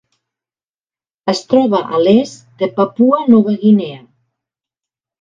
Es troba a l'est de Papua Nova Guinea.